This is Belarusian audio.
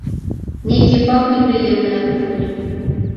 Нейкі пах непрыемны на кухні.